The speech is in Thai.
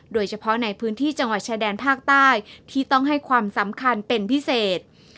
โดยเฉพาะในพื้นที่จังหวัดชายแดนภาคใต้ที่ต้องให้ความสำคัญเป็นพิเศษ